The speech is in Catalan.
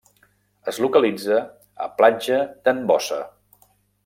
Es localitza a Platja d'en Bossa.